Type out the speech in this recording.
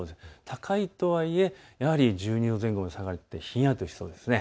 高いとはいえやはり１２度前後まで下がってひやっとしそうです。